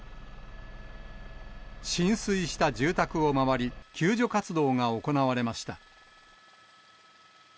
浸水した住宅を回り、救助活動が行われました。